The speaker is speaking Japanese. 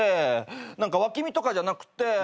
何か脇見とかじゃなくって何か。